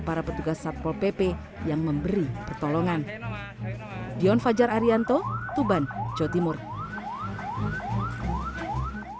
para petugas satpol pp yang memberi pertolongan dion fajar arianto tuban jawa timur